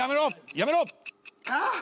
やめろ！］